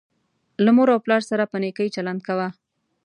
له مور او پلار سره په نیکۍ چلند کوه